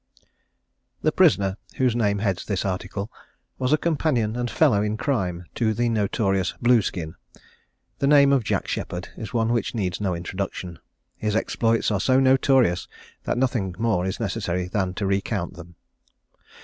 The prisoner, whose name heads this article, was a companion and fellow in crime to the notorious Blueskin. The name of Jack Sheppard is one which needs no introduction. His exploits are so notorious, that nothing more is necessary than to recount them.